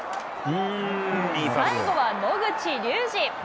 最後は野口竜司。